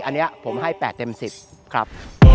อันนี้ผมให้๘เต็ม๑๐ครับ